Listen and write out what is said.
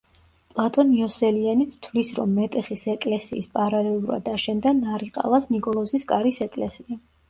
პლატონ იოსელიანიც თვლის, რომ მეტეხის ეკლესიის პარალელურად აშენდა ნარიყალას ნიკოლოზის კარის ეკლესია.